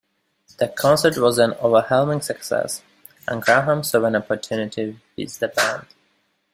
The concert was an overwhelming success and Graham saw an opportunity with the band.